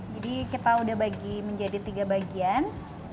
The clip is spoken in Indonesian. jadi kita udah bagi menjadi tiga bagian